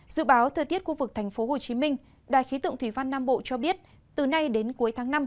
dự báo thời tiết khu vực tp hcm đài khí tượng thủy văn nam bộ cho biết từ nay đến cuối tháng năm